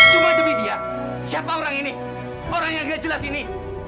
cuma demi dia siapa orang ini orang yang gak jelas ini